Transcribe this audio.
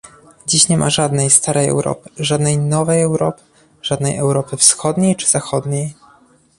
Dziś nie ma żadnej starej Europy, żadnej nowej Europy, żadnej Europy Wschodniej czy Zachodniej